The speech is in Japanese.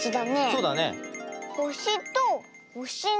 そうだね。